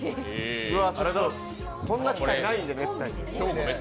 こんな機会ないんで、めったに。